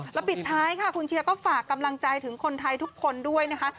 แล้วปิดท้ายค่ะคุณเชียร์ก็ฝากกำลังใจถึงคนไทยทุกคนด้วยนะคะ